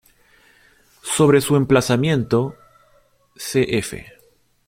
Sobre su emplazamiento, cf.